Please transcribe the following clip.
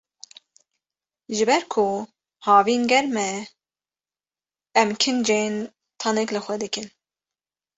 Ji ber ku havîn germ e, em kincên tenik li xwe dikin.